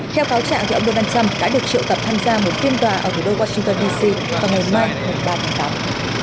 theo cáo trạng ông donald trump đã được triệu tập tham gia một phiên tòa ở thủ đô washington dc vào ngày mai ba tháng tám